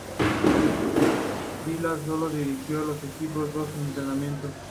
Daly solo dirigió al equipo en dos entrenamientos.